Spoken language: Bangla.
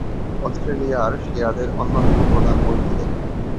অস্ট্রেলিয়ার শিয়াদের অন্যতম প্রধান মসজিদ এটি।